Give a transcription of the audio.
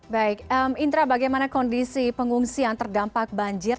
baik intra bagaimana kondisi pengungsian terdampak banjir